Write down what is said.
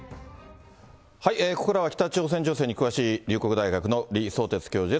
ここからは北朝鮮情勢に詳しい、龍谷大学の李相哲教授です。